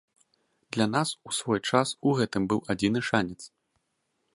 Для нас у свой час у гэтым быў адзіны шанец.